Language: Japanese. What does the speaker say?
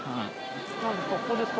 ここですか？